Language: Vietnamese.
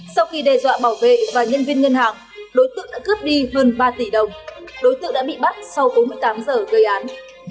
sau khi đe dọa bảo vệ và nhân viên ngân hàng đối tượng đã cướp đi hơn ba tỷ đồng đối tượng đã bị bắt sau bốn mươi tám giờ gây án